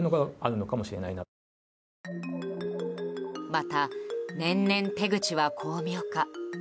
また年々、手口は巧妙化。